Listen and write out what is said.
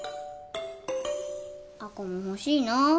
亜子も欲しいな。